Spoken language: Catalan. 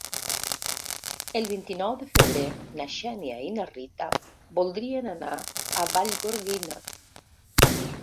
El vint-i-nou de febrer na Xènia i na Rita voldrien anar a Vallgorguina.